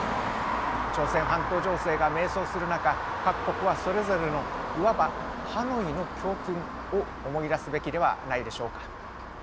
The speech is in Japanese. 朝鮮半島情勢が迷走する中各国はそれぞれのいわばハノイの教訓を思い出すべきではないでしょうか。